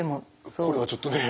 これはちょっとねえ。